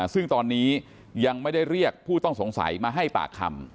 ซึ่งตอนนี้ยังไม่ได้เรียกผู้ต้องสงสัยมาให้ปากคำ